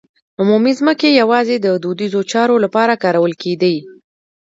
عمومي ځمکې یوازې د دودیزو چارو لپاره کارول کېدې.